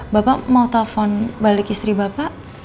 bapak mau telepon balik istri bapak